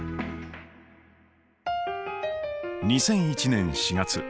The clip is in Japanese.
２００１年４月。